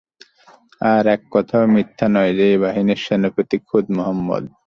আর একথাও মিথ্যা নয় যে, এ বাহিনীর সেনাপতি খোদ মুহাম্মাদ।